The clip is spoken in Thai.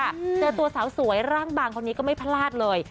เจอตัวสาวสวยร่างบางคนนี้ก็ไม่พลาดเลย